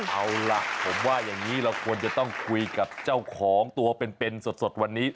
เอาล่ะผมว่าอย่างนี้เราควรจะต้องคุยกับเจ้าของตัวเป็นสดวันนี้